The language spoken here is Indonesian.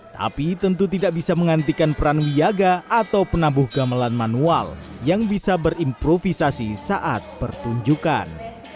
tapi tentu tidak bisa menggantikan peran wiaga atau penabuh gamelan manual yang bisa berimprovisasi saat pertunjukan